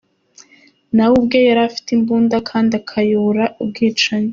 Nawe ubwe yari afite imbunda kandi akayobora ubwicanyi.